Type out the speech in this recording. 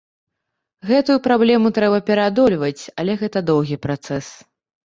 Гэтую праблему трэба пераадольваць, але гэта доўгі працэс.